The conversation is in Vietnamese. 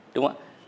đúng không ạ